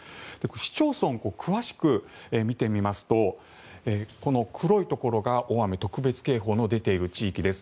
市町村、詳しく見てみますとこの黒いところが大雨特別警報の出ている地域です。